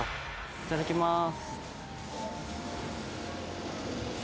いただきます。